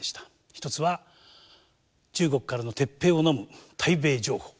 一つは中国からの撤兵をのむ対米譲歩。